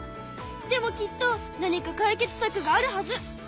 でもきっと何か解決さくがあるはず！